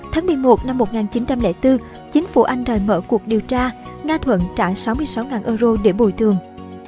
tháng một mươi một năm một nghìn chín trăm linh bốn chính phủ anh rời mở cuộc điều tra nga thuận trả sáu mươi sáu euro để bồi thường